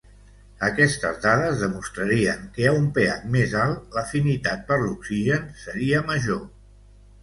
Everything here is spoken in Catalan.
Aquestes dades demostrarien que a un pH més alt l'afinitat per l'oxigen seria major.